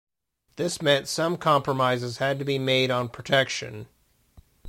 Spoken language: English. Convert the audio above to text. This meant some compromises had to be made on protection.